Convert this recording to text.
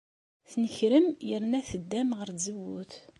Tnekrem yerna teddam ɣer tzewwut.